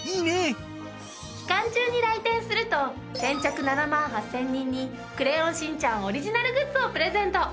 期間中に来店すると先着７万８０００人に『クレヨンしんちゃん』オリジナルグッズをプレゼント。